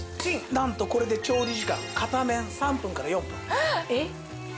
なんとこれで調理時間片面３分から４分。